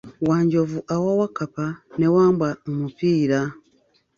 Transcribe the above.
Wanjovu awa Wakkapa ne Wambwa omupiira.